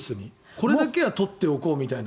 これだけは取っておこうみたいな。